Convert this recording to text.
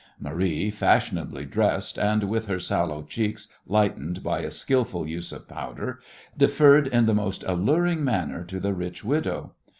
Marie, fashionably dressed and with her sallow cheeks lightened by a skilful use of powder, deferred in the most alluring manner to the rich widow.